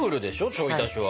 ちょい足しは。